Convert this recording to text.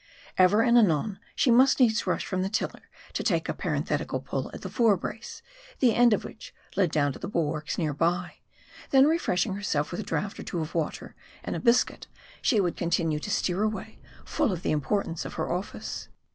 Ever and anon she must needs rush from the tiller to take a parenthetical pull at the fore brace, the end of which led down to the bulwarks near by ; then refreshing herself with a draught or two of water and a biscuit, she would continue to steer away, full of the importance of her office.